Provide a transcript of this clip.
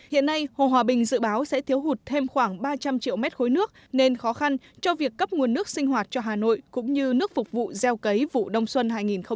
hiện nay hồ hòa bình dự báo sẽ thiếu hụt thêm khoảng ba trăm linh triệu mét khối nước nên khó khăn cho việc cấp nguồn nước sinh hoạt cho hà nội cũng như nước phục vụ gieo cấy vụ đông xuân hai nghìn hai mươi hai nghìn hai mươi